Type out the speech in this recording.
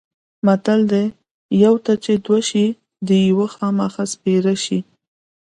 متل دی: یوه ته چې دوه شي د یوه خوامخا سپېره شي.